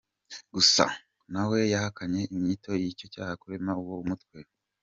Gusa nawe yahakanye inyito y’icyaha yo kurema uwo mutwe.